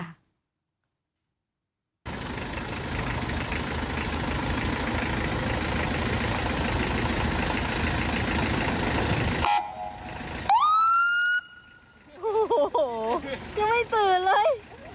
โอ้โหยังไม่ตื่นเลย